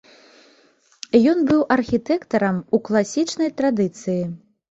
Ён быў архітэктарам ў класічнай традыцыі.